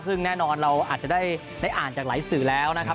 ซึ่งแน่นอนเราอาจจะได้อ่านจากหลายสื่อแล้วนะครับ